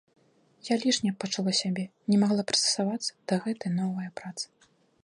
Я лішняй пачула сябе, не магла прыстасавацца да гэтае новае працы.